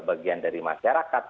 bagian dari masyarakat